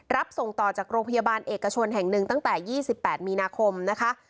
รับส่งต่อจากโรงพยาบาลเอกชนแห่งหนึ่งตั้งแต่๒๘มีนาคมนะคะ